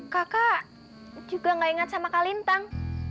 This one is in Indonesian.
kak lintang juga gak ingat sama kak lintang